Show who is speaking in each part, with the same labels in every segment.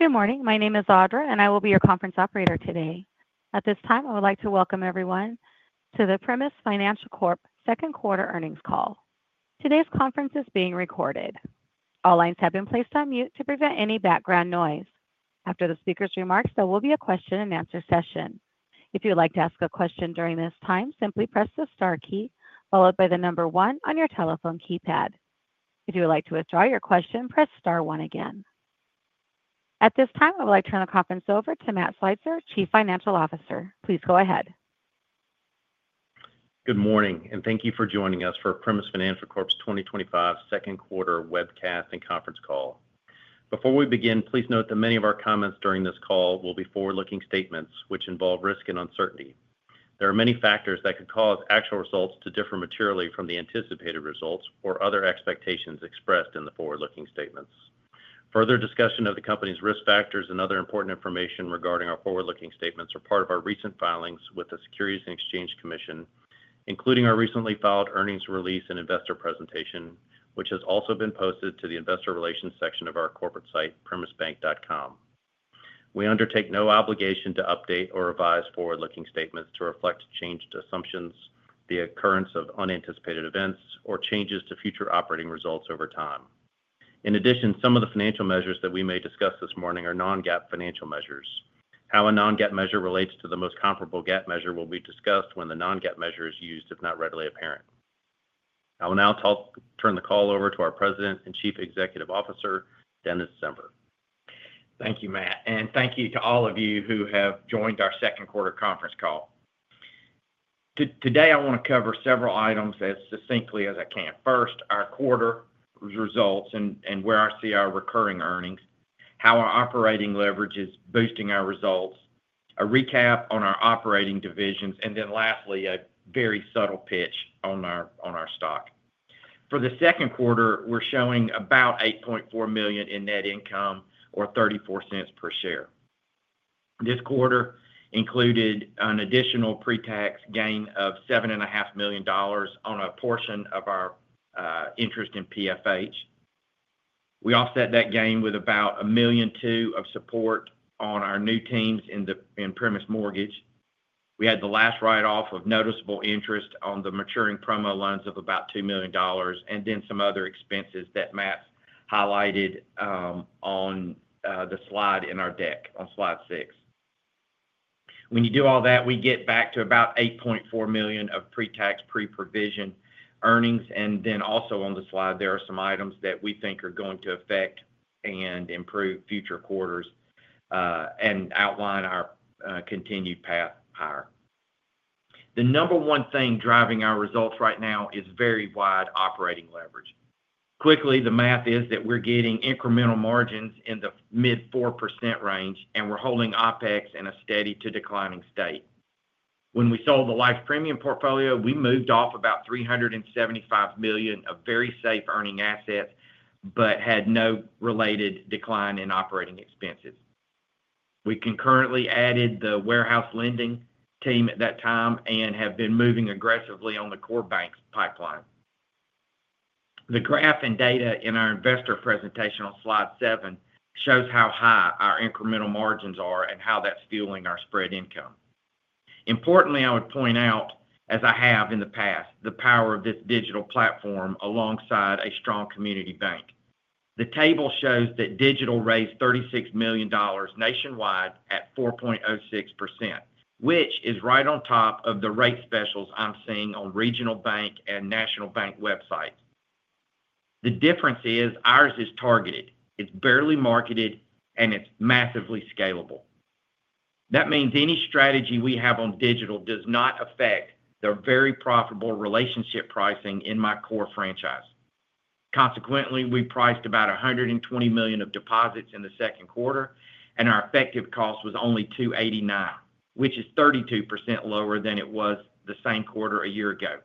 Speaker 1: Good morning. My name is Audra, and I will be your conference operator today. At this time, I would like to welcome everyone to the Primis Financial Corp. Second Quarter Earnings Call. Today's conference is being recorded. All lines have been placed on mute to prevent any background noise. After the speaker's remarks, there will be a question and answer session. If you would like to ask a question during this time, simply press the star key followed by the number one on your telephone keypad. If you would like to withdraw your question, press star one again. At this time, I would like to turn the conference over to Matt Switzer, Chief Financial Officer. Please go ahead.
Speaker 2: Good morning, and thank you for joining us for Primis Financial Corp.'s 2025 Second Quarter webcast and conference call. Before we begin, please note that many of our comments during this call will be forward-looking statements, which involve risk and uncertainty. There are many factors that could cause actual results to differ materially from the anticipated results or other expectations expressed in the forward-looking statements. Further discussion of the company's risk factors and other important information regarding our forward-looking statements are part of our recent filings with the Securities and Exchange Commission, including our recently filed earnings release and investor presentation, which has also been posted to the investor relations section of our corporate site, primisbank.com. We undertake no obligation to update or revise forward-looking statements to reflect changed assumptions, the occurrence of unanticipated events, or changes to future operating results over time. In addition, some of the financial measures that we may discuss this morning are non-GAAP financial measures. How a non-GAAP measure relates to the most comparable GAAP measure will be discussed when the non-GAAP measure is used, if not readily apparent. I will now turn the call over to our President and Chief Executive Officer, Dennis Zember.
Speaker 3: Thank you, Matt, and thank you to all of you who have joined our second quarter conference call. Today, I want to cover several items as succinctly as I can. First, our quarter results and where I see our recurring earnings, how our operating leverage is boosting our results, a recap on our operating divisions, and then lastly, a very subtle pitch on our stock. For the second quarter, we're showing about $8.4 million in net income or $0.34 per share. This quarter included an additional pre-tax gain of $7.5 million on a portion of our interest in PFH. We offset that gain with about $1.2 million of support on our new teams in Primis Mortgage. We had the last write-off of noticeable interest on the maturing promo loans of about $2 million and then some other expenses that Matt's highlighted on the slide in our deck on slide six. When you do all that, we get back to about $8.4 million of pre-tax pre-provision earnings, and then also on the slide, there are some items that we think are going to affect and improve future quarters and outline our continued path higher. The number one thing driving our results right now is very wide operating leverage. Quickly, the math is that we're getting incremental margins in the mid-4% range, and we're holding OpEx in a steady to declining state. When we sold the life premium portfolio, we moved off about $375 million of very safe earning assets but had no related decline in operating expenses. We concurrently added the warehouse lending team at that time and have been moving aggressively on the core bank's pipeline. The graph and data in our investor presentation on slide seven shows how high our incremental margins are and how that's fueling our spread income. Importantly, I would point out, as I have in the past, the power of this digital banking platform alongside a strong community bank. The table shows that digital raised $36 million nationwide at 4.06%, which is right on top of the rate specials I'm seeing on regional bank and national bank websites. The difference is ours is targeted. It's barely marketed, and it's massively scalable. That means any strategy we have on digital does not affect the very profitable relationship pricing in my core franchise. Consequently, we priced about $120 million of deposits in the second quarter, and our effective cost was only $289,000, which is 32% lower than it was the same quarter a year ago.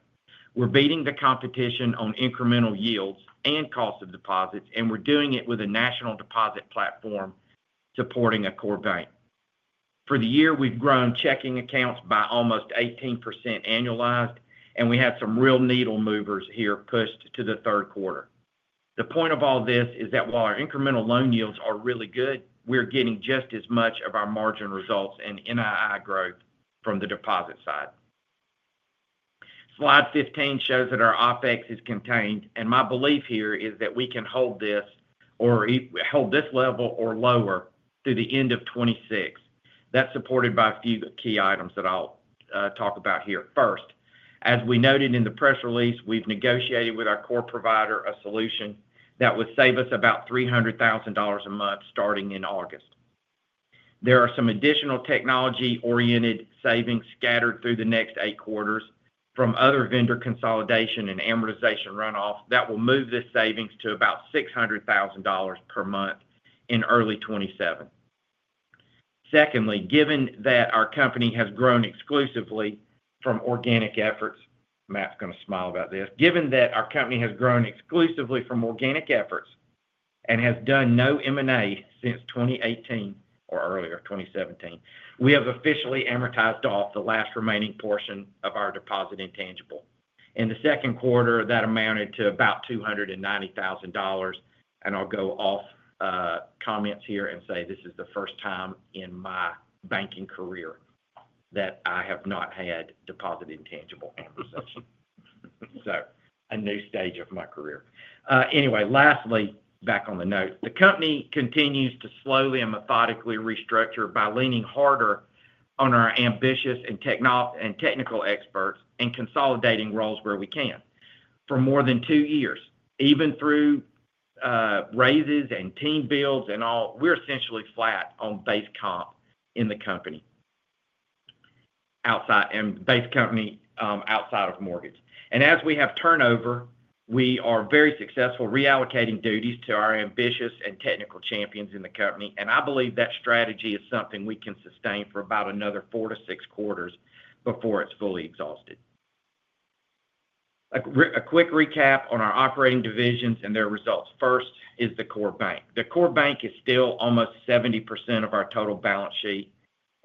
Speaker 3: We're beating the competition on incremental yields and cost of deposits, and we're doing it with a national deposit platform supporting a core bank. For the year, we've grown checking accounts by almost 18% annualized, and we had some real needle movers here pushed to the third quarter. The point of all this is that while our incremental loan yields are really good, we're getting just as much of our margin results and NII growth from the deposit side. Slide 15 shows that our OpEx is contained, and my belief here is that we can hold this or hold this level or lower through the end of 2026. That's supported by a few key items that I'll talk about here. First, as we noted in the press release, we've negotiated with our core provider a solution that would save us about $300,000 a month starting in August. There are some additional technology-oriented savings scattered through the next eight quarters from other vendor consolidation and amortization runoff that will move this savings to about $600,000 per month in early 2027. Secondly, given that our company has grown exclusively from organic efforts, Matt's going to smile about this. Given that our company has grown exclusively from organic efforts and has done no M&A since 2018 or earlier, 2017, we have officially amortized off the last remaining portion of our deposit intangible. In the second quarter, that amounted to about $290,000. I'll go off comments here and say this is the first time in my banking career that I have not had deposit intangible amortization. A new stage of my career. Lastly, back on the note, the company continues to slowly and methodically restructure by leaning harder on our ambitious and technical experts and consolidating roles where we can. For more than two years, even through raises and team builds and all, we're essentially flat on base comp in the company outside of mortgage. As we have turnover, we are very successful reallocating duties to our ambitious and technical champions in the company. I believe that strategy is something we can sustain for about another four to six quarters before it's fully exhausted. A quick recap on our operating divisions and their results. First is the core bank. The core bank is still almost 70% of our total balance sheet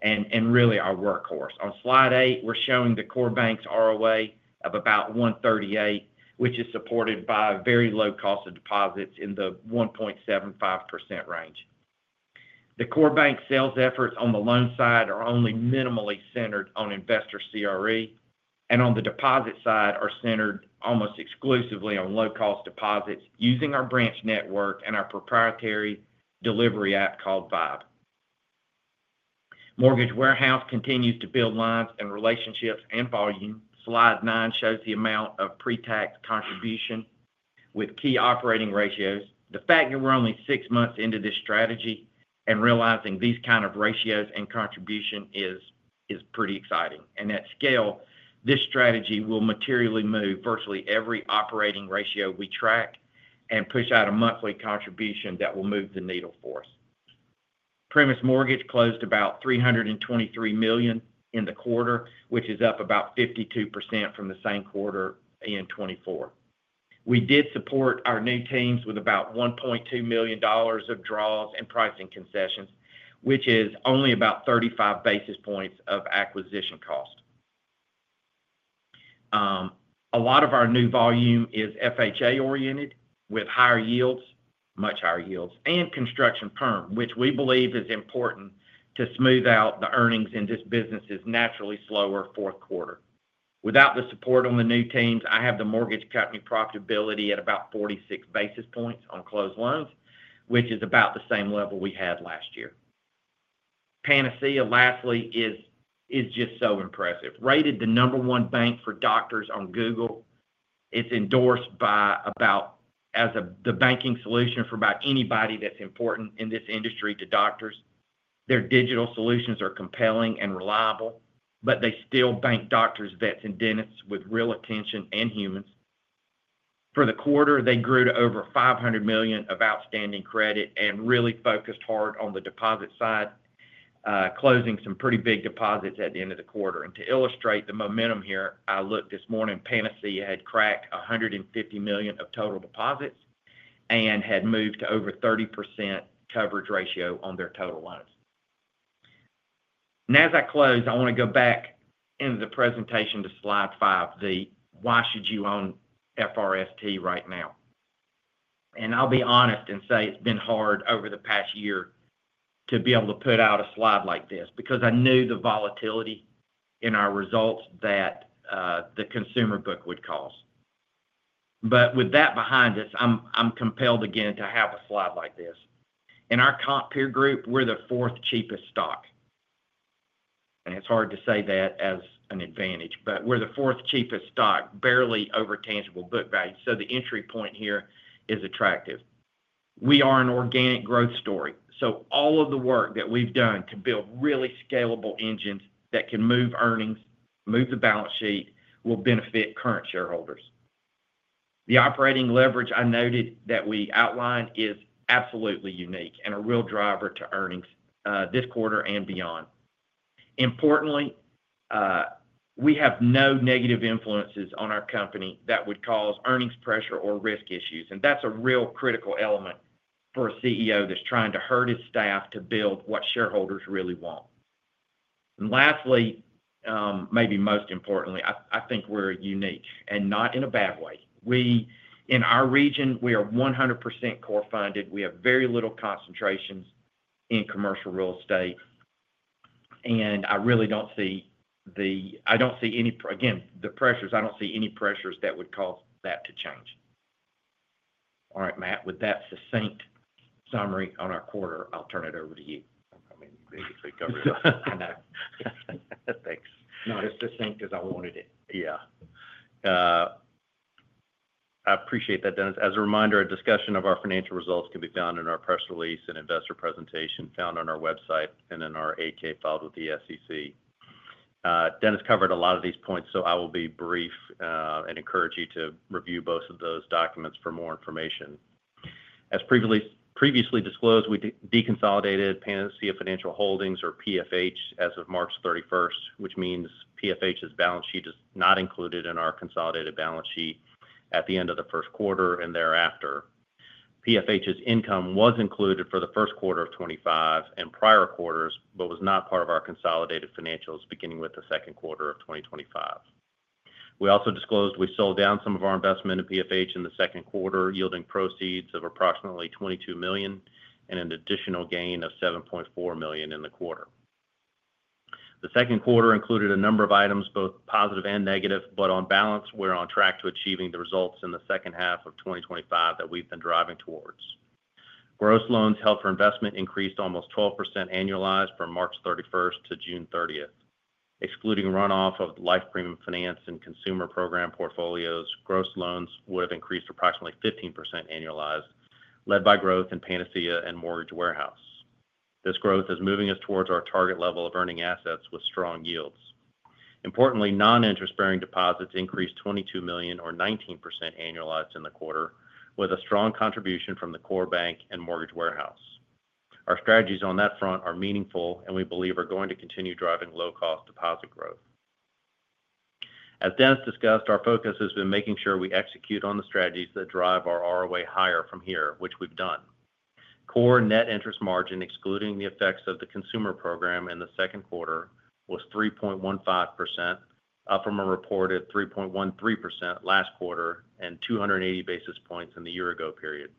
Speaker 3: and really our workhorse. On slide eight, we're showing the core bank's ROA of about 1.38%, which is supported by very low cost of deposits in the 1.75% range. The core bank sales efforts on the loan side are only minimally centered on investor CRE, and on the deposit side are centered almost exclusively on low-cost deposits using our branch network and our proprietary delivery app called V1BE. Mortgage Warehouse continues to build lines and relationships and volume. Slide nine shows the amount of pre-tax contribution with key operating ratios. The fact that we're only six months into this strategy and realizing these kind of ratios and contribution is pretty exciting. At scale, this strategy will materially move virtually every operating ratio we track and push out a monthly contribution that will move the needle for us. Primis Mortgage closed about $323 million in the quarter, which is up about 52% from the same quarter in 2024. We did support our new teams with about $1.2 million of draws and pricing concessions, which is only about 35 basis points of acquisition cost. A lot of our new volume is FHA-oriented with higher yields, much higher yields, and construction perm, which we believe is important to smooth out the earnings in this business's naturally slower fourth quarter. Without the support on the new teams, I have the mortgage company profitability at about 46 basis points on closed loans, which is about the same level we had last year. Panacea, lastly, is just so impressive. Rated the number one bank for doctors on Google, it's endorsed as the banking solution for about anybody that's important in this industry to doctors. Their digital solutions are compelling and reliable, but they still bank doctors, vets, and dentists with real attention and humans. For the quarter, they grew to over $500 million of outstanding credit and really focused hard on the deposit side, closing some pretty big deposits at the end of the quarter. To illustrate the momentum here, I looked this morning, Panacea had cracked $150 million of total deposits and had moved to over 30% coverage ratio on their total loans. Now, as I close, I want to go back into the presentation to slide five, the why should you own FRST right now? I'll be honest and say it's been hard over the past year to be able to put out a slide like this because I knew the volatility in our results that the consumer book would cause. With that behind us, I'm compelled again to have a slide like this. In our comp peer group, we're the fourth cheapest stock. It's hard to say that as an advantage, but we're the fourth cheapest stock, barely over tangible book value. The entry point here is attractive. We are an organic growth story. All of the work that we've done to build really scalable engines that can move earnings, move the balance sheet, will benefit current shareholders. The operating leverage I noted that we outlined is absolutely unique and a real driver to earnings this quarter and beyond. Importantly, we have no negative influences on our company that would cause earnings pressure or risk issues. That's a real critical element for a CEO that's trying to herd his staff to build what shareholders really want. Lastly, maybe most importantly, I think we're unique and not in a bad way. In our region, we are 100% core funded. We have very little concentrations in commercial real estate. I really don't see any pressures that would cause that to change. All right, Matt, with that succinct summary on our quarter, I'll turn it over to you.
Speaker 2: I mean, basically covered it.
Speaker 3: I know.
Speaker 2: Thanks.
Speaker 3: Not as succinct as I wanted it.
Speaker 2: Yeah. I appreciate that, Dennis. As a reminder, a discussion of our financial results can be found in our press release and investor presentation found on our website and in our 8-K filed with the SEC. Dennis covered a lot of these points, so I will be brief and encourage you to review both of those documents for more information. As previously disclosed, we de-consolidated Panacea Financial Holdings, or PFH, as of March 31, which means PFH's balance sheet is not included in our consolidated balance sheet at the end of the first quarter and thereafter. PFH's income was included for the first quarter of 2025 and prior quarters, but was not part of our consolidated financials beginning with the second quarter of 2025. We also disclosed we sold down some of our investment in PFH in the second quarter, yielding proceeds of approximately $22 million and an additional gain of $7.4 million in the quarter. The second quarter included a number of items, both positive and negative, but on balance, we're on track to achieving the results in the second half of 2025 that we've been driving towards. Gross loans held for investment increased almost 12% annualized from March 31 to June 30. Excluding runoff of the life premium finance and consumer program portfolios, gross loans would have increased approximately 15% annualized, led by growth in Panacea and Mortgage Warehouse. This growth is moving us towards our target level of earning assets with strong yields. Importantly, non-interest-bearing deposits increased $22 million or 19% annualized in the quarter, with a strong contribution from the core bank and Mortgage Warehouse. Our strategies on that front are meaningful, and we believe are going to continue driving low-cost deposit growth. As Dennis discussed, our focus has been making sure we execute on the strategies that drive our ROA higher from here, which we've done. Core net interest margin, excluding the effects of the consumer program in the second quarter, was 3.15%, up from a reported 3.13% last quarter and 280 basis points in the year-ago period.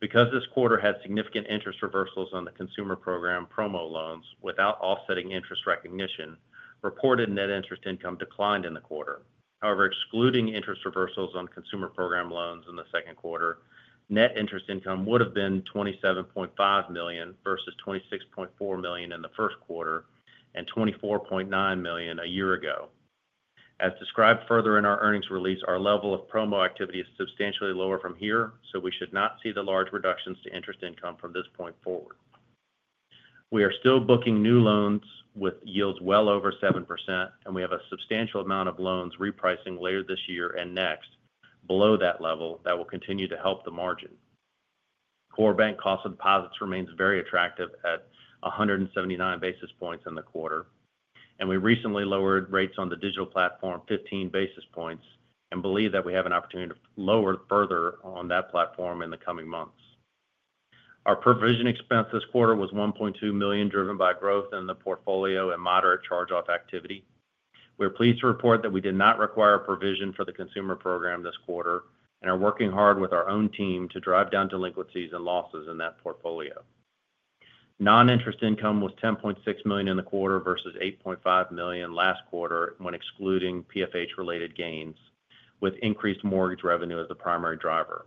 Speaker 2: Because this quarter had significant interest reversals on the consumer program promo loans without offsetting interest recognition, reported net interest income declined in the quarter. However, excluding interest reversals on consumer program loans in the second quarter, net interest income would have been $27.5 million versus $26.4 million in the first quarter and $24.9 million a year ago. As described further in our earnings release, our level of promo activity is substantially lower from here, so we should not see the large reductions to interest income from this point forward. We are still booking new loans with yields well over 7%, and we have a substantial amount of loans repricing later this year and next below that level that will continue to help the margin. Core bank cost of deposits remains very attractive at 179 basis points in the quarter, and we recently lowered rates on the digital banking platform 15 basis points and believe that we have an opportunity to lower further on that platform in the coming months. Our provision expense this quarter was $1.2 million, driven by growth in the portfolio and moderate charge-off activity. We're pleased to report that we did not require a provision for the consumer program this quarter and are working hard with our own team to drive down delinquencies and losses in that portfolio. Non-interest income was $10.6 million in the quarter versus $8.5 million last quarter when excluding PFH-related gains, with increased mortgage revenue as the primary driver.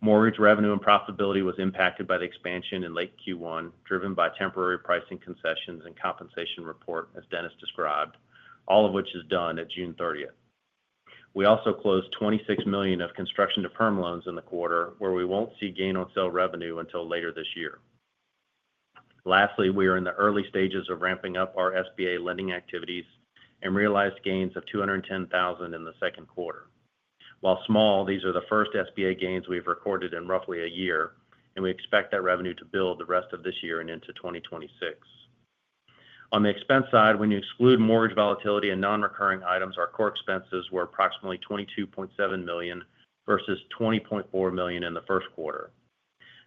Speaker 2: Mortgage revenue and profitability was impacted by the expansion in late Q1, driven by temporary pricing concessions and compensation report, as Dennis described, all of which is done at June 30th. We also closed $26 million of construction to firm loans in the quarter, where we won't see gain on sale revenue until later this year. Lastly, we are in the early stages of ramping up our SBA lending activities and realized gains of $210,000 in the second quarter. While small, these are the first SBA gains we've recorded in roughly a year, and we expect that revenue to build the rest of this year and into 2026. On the expense side, when you exclude mortgage volatility and non-recurring items, our core expenses were approximately $22.7 million versus $20.4 million in the first quarter.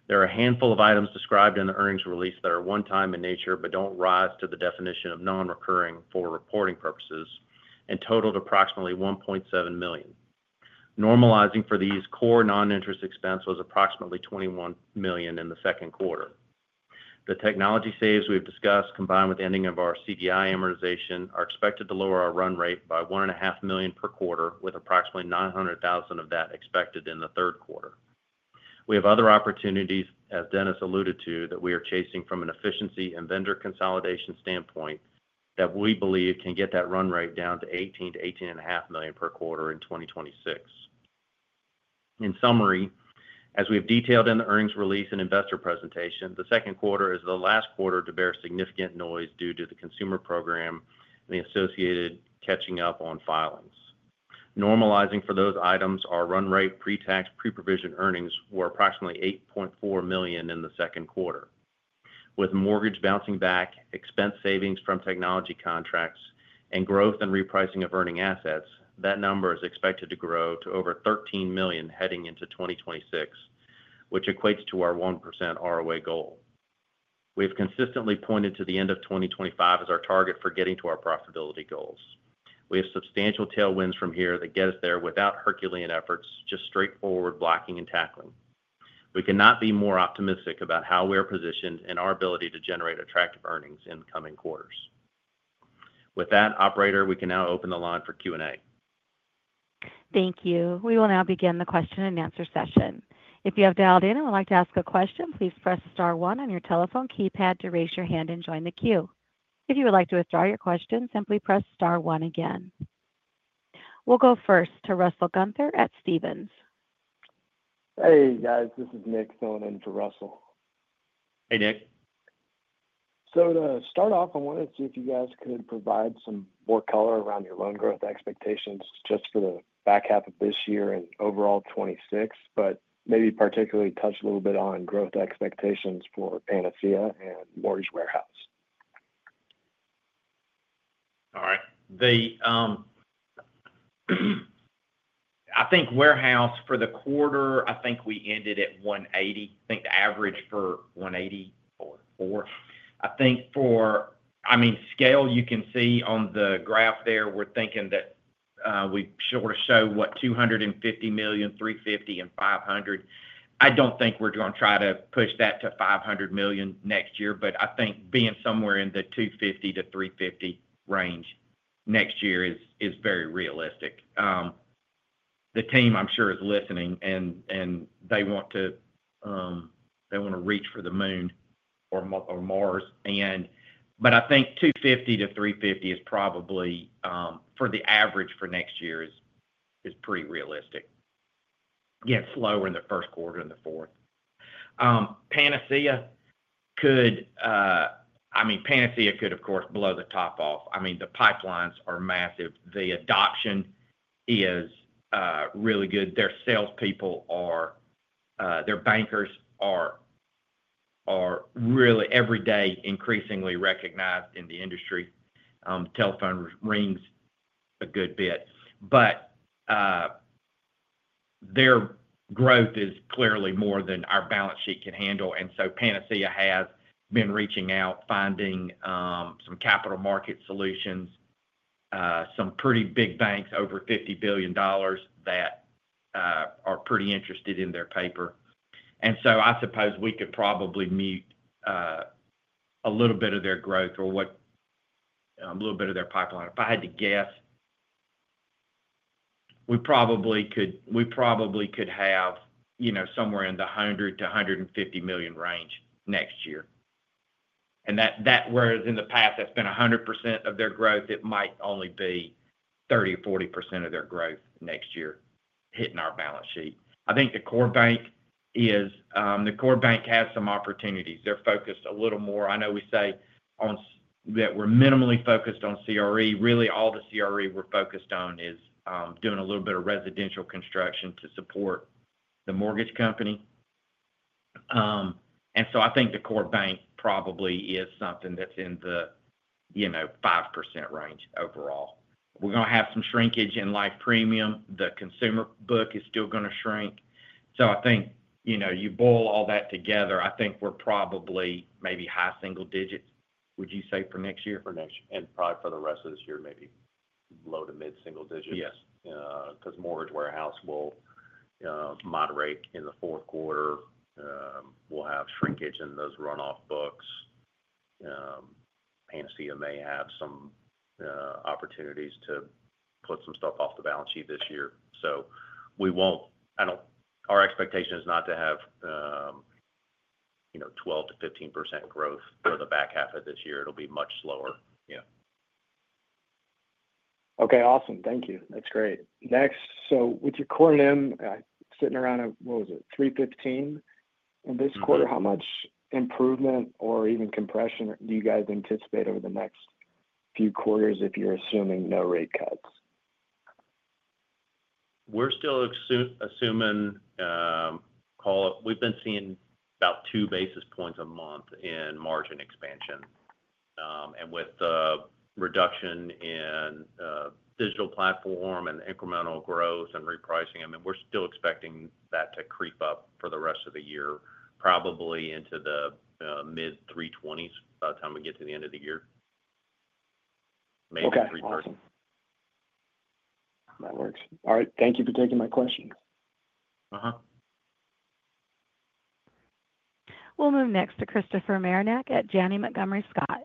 Speaker 2: There are a handful of items described in the earnings release that are one-time in nature but don't rise to the definition of non-recurring for reporting purposes and totaled approximately $1.7 million. Normalizing for these, core non-interest expense was approximately $21 million in the second quarter. The technology saves we've discussed, combined with the ending of our CDI amortization, are expected to lower our run rate by $1.5 million per quarter, with approximately $900,000 of that expected in the third quarter. We have other opportunities, as Dennis alluded to, that we are chasing from an efficiency and vendor consolidation standpoint that we believe can get that run rate down to $18 million-$18.5 million per quarter in 2026. In summary, as we've detailed in the earnings release and investor presentation, the second quarter is the last quarter to bear significant noise due to the consumer program and the associated catching up on filings. Normalizing for those items, our run rate pre-tax pre-provision earnings were approximately $8.4 million in the second quarter. With mortgage bouncing back, expense savings from technology contracts, and growth and repricing of earning assets, that number is expected to grow to over $13 million heading into 2026, which equates to our 1% ROA goal. We have consistently pointed to the end of 2025 as our target for getting to our profitability goals. We have substantial tailwinds from here that get us there without Herculean efforts, just straightforward blocking and tackling. We cannot be more optimistic about how we're positioned and our ability to generate attractive earnings in the coming quarters. With that, Operator, we can now open the line for Q&A.
Speaker 1: Thank you. We will now begin the question and answer session. If you have dialed in and would like to ask a question, please press star one on your telephone keypad to raise your hand and join the queue. If you would like to withdraw your question, simply press star one again. We'll go first to Russell Gunther at Stephens. Hey, guys, this is Nick, filling in for Russell.
Speaker 3: Hey, Nick. To start off, I wanted to see if you guys could provide some more color around your loan growth expectations just for the back half of this year and overall 2026, but maybe particularly touch a little bit on growth expectations for Panacea and Mortgage Warehouse. All right. I think Warehouse for the quarter, I think we ended at $180 million. I think the average for $180.4 million. I think for, I mean, scale you can see on the graph there, we're thinking that we sort of show what $250 million, $350 million, and $500 million. I don't think we're going to try to push that to $500 million next year, but I think being somewhere in the $250 million-$350 million range next year is very realistic. The team, I'm sure, is listening and they want to reach for the moon or Mars, but I think $250 million-$350 million is probably, for the average for next year, is pretty realistic. Yeah, it's lower in the first quarter than the fourth. Panacea could, I mean, Panacea could, of course, blow the top off. The pipelines are massive. The adoption is really good. Their salespeople, their bankers are really every day increasingly recognized in the industry. The telephone rings a good bit. Their growth is clearly more than our balance sheet can handle. Panacea has been reaching out, finding some capital market partnerships, some pretty big banks, over $50 billion, that are pretty interested in their paper. I suppose we could probably mute a little bit of their growth or a little bit of their pipeline. If I had to guess, we probably could have somewhere in the $100 million-$150 million range next year. Whereas in the past, that's been 100% of their growth, it might only be 30% or 40% of their growth next year hitting our balance sheet. I think the core bank has some opportunities. They're focused a little more. I know we say that we're minimally focused on CRE. Really, all the CRE we're focused on is doing a little bit of residential construction to support the mortgage company. I think the core bank probably is something that's in the 5% range overall. We're going to have some shrinkage in life premium. The consumer book is still going to shrink. You boil all that together, I think we're probably maybe high single digits, would you say, for next year?
Speaker 2: For next year and probably for the rest of this year, maybe low to mid-single digits.
Speaker 3: Yes.
Speaker 2: Because Mortgage Warehouse will moderate in the fourth quarter, we'll have shrinkage in those runoff books. Panacea may have some opportunities to put some stuff off the balance sheet this year. Our expectation is not to have 12%-15% growth for the back half of this year. It'll be much slower.
Speaker 3: Yeah. Okay. Awesome. Thank you. That's great. Next, with your core name sitting around at 315 this quarter, how much improvement or even compression do you guys anticipate over the next few quarters if you're assuming no rate cuts?
Speaker 2: We're still assuming, call it, we've been seeing about 2 basis points a month in margin expansion. With the reduction in digital banking platform and incremental growth and repricing, we're still expecting that to creep up for the rest of the year, probably into the mid-320s by the time we get to the end of the year, maybe 330. That works. All right, thank you for taking my question.
Speaker 1: We'll move next to Christopher Marinac at Janney Montgomery Scott.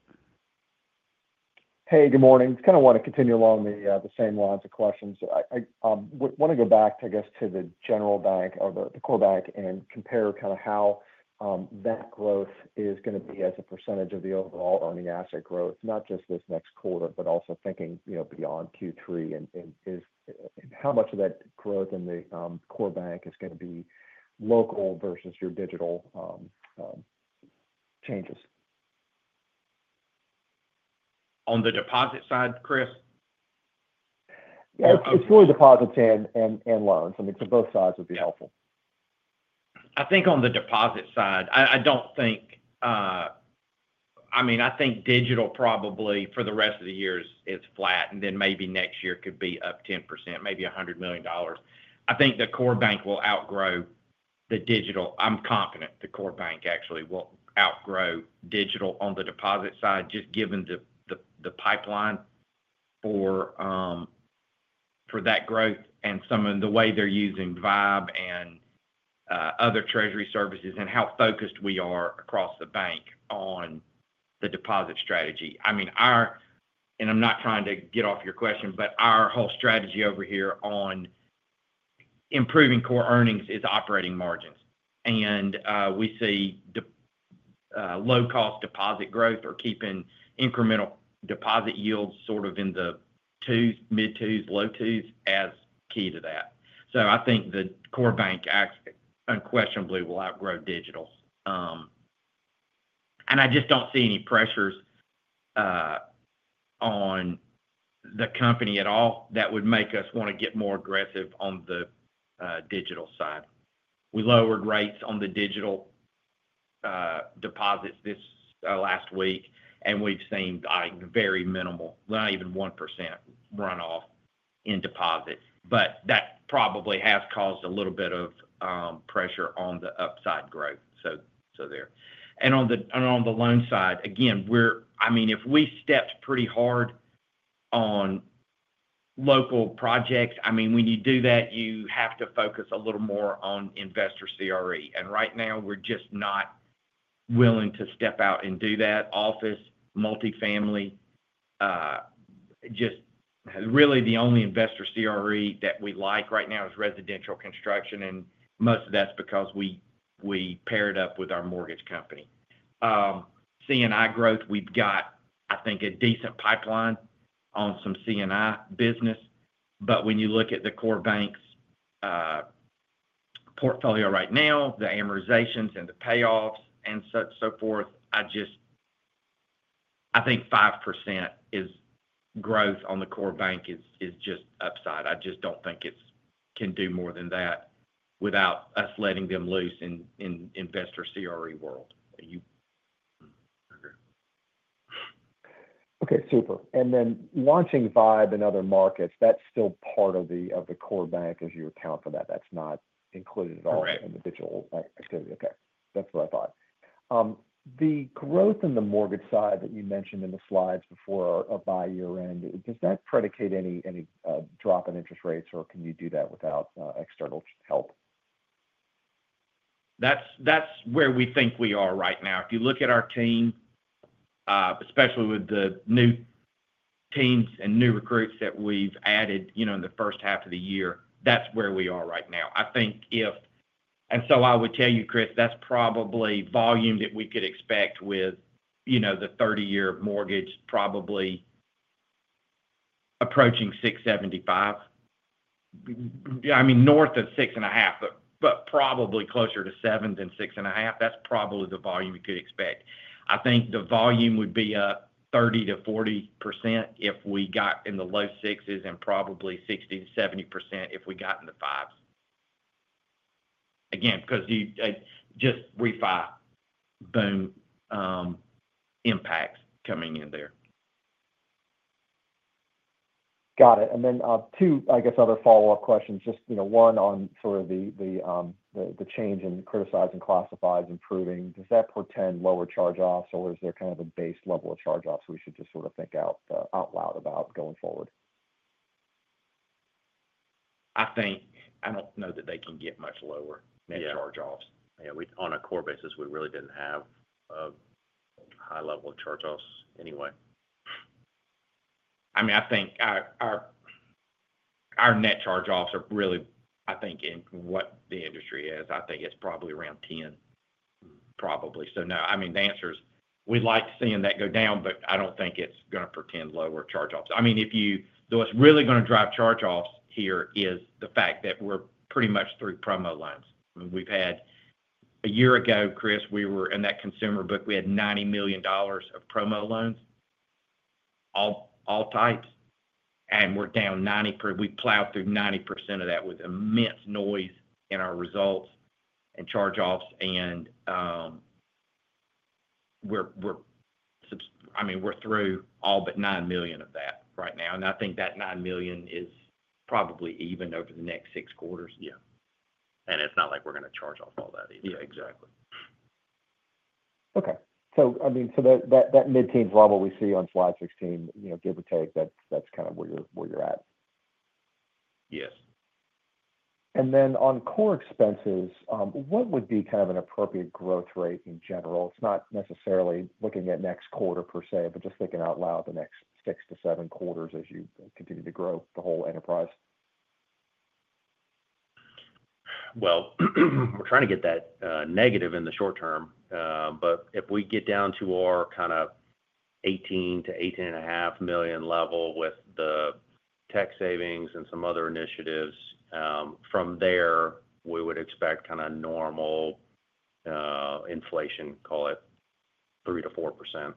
Speaker 4: Hey, good morning. I want to continue along the same lines of questions. I want to go back to, I guess, the general bank or the core bank and compare how that growth is going to be as a percentage of the overall earning asset growth, not just this next quarter, but also thinking beyond Q3. Is how much of that growth in the core bank going to be local versus your digital changes?
Speaker 3: On the deposit side, Chris?
Speaker 4: Yeah, it's really deposits and loans. I mean, both sides would be helpful.
Speaker 3: I think on the deposit side, I don't think, I mean, I think digital probably for the rest of the year is flat, and then maybe next year could be up 10%, maybe $100 million. I think the core bank will outgrow the digital. I'm confident the core bank actually will outgrow digital on the deposit side, just given the pipeline for that growth and some of the way they're using V1BE and other treasury services and how focused we are across the bank on the deposit strategy. I'm not trying to get off your question, but our whole strategy over here on improving core earnings is operating margins. We see low-cost deposit growth or keeping incremental deposit yields sort of in the mid-twos, low twos as key to that. I think the core bank unquestionably will outgrow digital. I just don't see any pressures on the company at all that would make us want to get more aggressive on the digital side. We lowered rates on the digital deposits this last week, and we've seen very minimal, not even 1% runoff in deposits. That probably has caused a little bit of pressure on the upside growth. On the loan side, if we stepped pretty hard on local projects, when you do that, you have to focus a little more on investor CRE. Right now, we're just not willing to step out and do that. Office, multifamily, really the only investor CRE that we like right now is residential construction, and most of that's because we paired up with our mortgage company. CNI growth, we've got, I think, a decent pipeline on some CNI business. When you look at the core bank's portfolio right now, the amortizations and the payoffs and so forth, I think 5% growth on the core bank is just upside. I just don't think it can do more than that without us letting them loose in investor CRE world.
Speaker 4: Okay, super. Launching V1BE in other markets, that's still part of the core bank as you account for that. That's not included at all in the digital activity. Okay, that's what I thought. The growth in the mortgage side that you mentioned in the slides before by year end, does that predicate any drop in interest rates, or can you do that without external help?
Speaker 3: That's where we think we are right now. If you look at our team, especially with the new teams and new recruits that we've added in the first half of the year, that's where we are right now. I think if, and so I would tell you, Chris, that's probably volume that we could expect with the 30-year mortgage probably approaching 6.75%. Yeah, I mean, north of 6.5%, but probably closer to 7% than 6.5%. That's probably the volume you could expect. I think the volume would be up 30%-40% if we got in the low sixes and probably 60%-70% if we got in the fives. Again, because you just refi, boom, impacts coming in there.
Speaker 4: Got it. Two other follow-up questions. One on the change in criticizing classifieds improving. Does that portend lower charge-offs, or is there kind of a base level of charge-offs we should just sort of think out loud about going forward?
Speaker 3: I think I don't know that they can get much lower net charge-offs. On a core basis, we really didn't have a high level of charge-offs anyway. I mean, I think our net charge-offs are really, I think, in what the industry is. I think it's probably around 10%. Probably. No, the answer is we'd like to see that go down, but I don't think it's going to portend lower charge-offs. If you, though, what's really going to drive charge-offs here is the fact that we're pretty much through promo loans. A year ago, Chris, we were in that consumer book, we had $90 million of promo loans, all types, and we're down 90%. We plowed through 90% of that with immense noise in our results and charge-offs. We're through all but $9 million of that right now. I think that $9 million is probably even over the next six quarters.
Speaker 4: Yeah, it's not like we're going to charge off all that easily.
Speaker 3: Yeah, exactly.
Speaker 4: Okay. That mid-teens level we see on slide 16, you know, give or take, that's kind of where you're at.
Speaker 3: Yes.
Speaker 4: On core expenses, what would be kind of an appropriate growth rate in general? It's not necessarily looking at next quarter per se, but just thinking out loud the next six to seven quarters as you continue to grow the whole enterprise.
Speaker 2: We are trying to get that negative in the short term. If we get down to our kind of $18 million-$18.5 million level with the tech savings and some other initiatives, from there, we would expect kind of normal inflation, call it 3%-4%.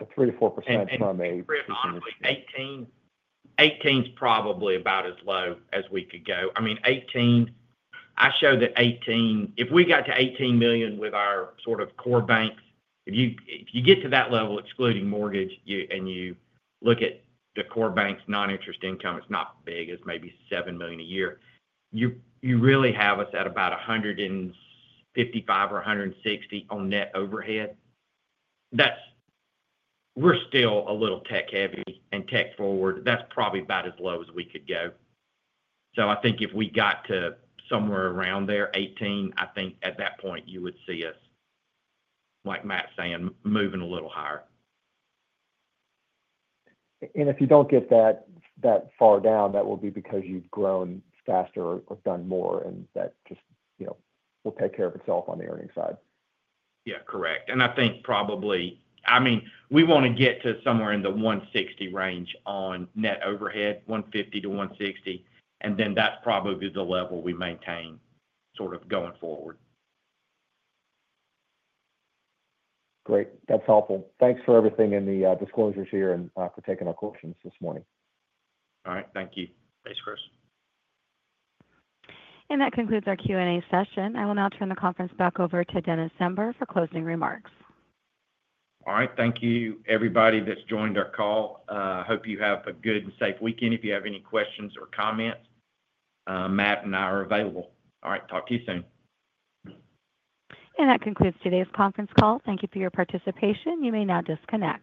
Speaker 4: 3%-4% from?
Speaker 3: 18's probably about as low as we could go. I mean, 18, I show that $18 million, if we got to $18 million with our sort of core bank, if you get to that level, excluding mortgage, and you look at the core bank's non-interest income, it's not big. It's maybe $7 million a year. You really have us at about $155 million or $160 million on net overhead. We're still a little tech heavy and tech forward. That's probably about as low as we could go. I think if we got to somewhere around there, $18 million, I think at that point you would see us, like Matt's saying, moving a little higher.
Speaker 4: If you don't get that far down, that will be because you've grown faster or done more, and that just will take care of itself on the earning side.
Speaker 3: Correct. I think probably, I mean, we want to get to somewhere in the $160 million range on net overhead, $150 million-$160 million. That's probably the level we maintain sort of going forward.
Speaker 4: Great. That's helpful. Thanks for everything in the disclosures here and for taking our questions this morning.
Speaker 3: All right. Thank you.
Speaker 2: Thanks, Chris.
Speaker 1: That concludes our Q&A session. I will now turn the conference back over to Dennis Zember for closing remarks.
Speaker 3: All right. Thank you, everybody that's joined our call. I hope you have a good and safe weekend. If you have any questions or comments, Matt and I are available. All right. Talk to you soon.
Speaker 1: That concludes today's conference call. Thank you for your participation. You may now disconnect.